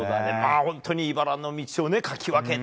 本当にいばらの道をかき分けて。